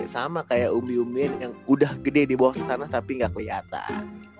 sama kayak umbi umbi yang udah gede di bawah tanah tapi gak keliatan